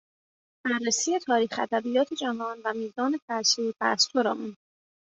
بررسی تاریخ ادبیات جهان و میزان تاثیر و تاثر آن